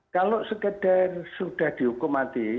kalau sekedar sudah dihukum mati